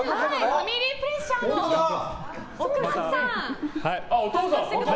ファミリープレッシャーのお父さん。